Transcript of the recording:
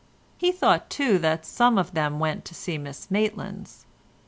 He thought, too, that some of them went up to Miss Maitland's.